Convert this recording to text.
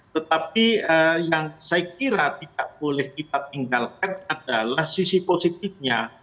tetapi yang saya kira tidak boleh kita tinggalkan adalah sisi positifnya